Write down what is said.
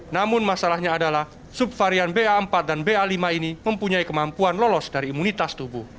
namun masalahnya adalah subvarian ba empat dan ba lima ini mempunyai kemampuan lolos dari imunitas tubuh